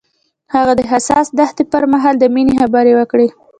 هغه د حساس دښته پر مهال د مینې خبرې وکړې.